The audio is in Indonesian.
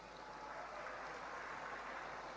inilah pokok pokok yang dapat saya sampaikan